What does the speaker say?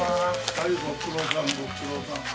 はいご苦労さんご苦労さん。